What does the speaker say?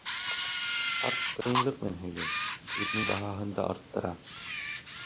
Ҡарт ҡыйынлыҡ менән һөйләй, үҙенең баһаһын да арттыра.